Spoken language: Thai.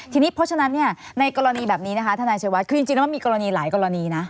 ทีนี้เพราะฉะนั้นเนี่ยในกรณีแบบนี้นะคะทนายชัยวัดคือจริงแล้วมันมีกรณีหลายกรณีนะ